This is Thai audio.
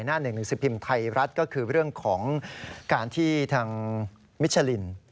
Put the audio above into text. หน้า๑๑สิบพิมพ์ไทยรัฐก็คือเรื่องของการที่ทางมิชลิน